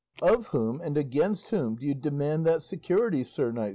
"Of whom and against whom do you demand that security, sir knight?"